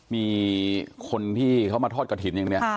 มีคนที่เขามาทอดกระถิ่นอย่างนี้